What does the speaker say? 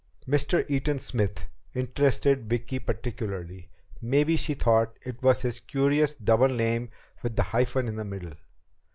Mr. Eaton Smith interested Vicki particularly. Maybe, she thought, it was his curious double name with the hyphen in the middle.